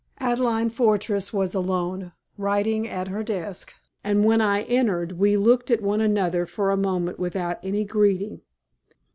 Adelaide Fortress was alone, writing at her desk, and when I entered we looked at one another for a moment without any greeting.